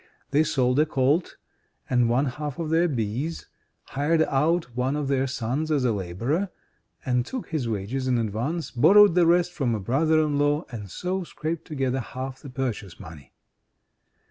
They sold a colt, and one half of their bees; hired out one of their sons as a laborer, and took his wages in advance; borrowed the rest from a brother in law, and so scraped together half the purchase money.